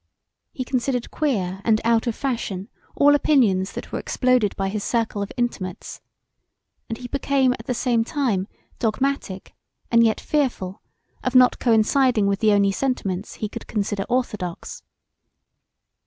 He considered queer and out of fashion all opinions that were exploded by his circle of intimates, and he became at the same time dogmatic and yet fearful of not coinciding with the only sentiments he could consider orthodox.